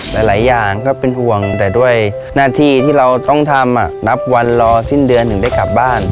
หลายอย่างก็เป็นห่วงแต่ด้วยหน้าที่ที่เราต้องทำนับวันรอสิ้นเดือนถึงได้กลับบ้าน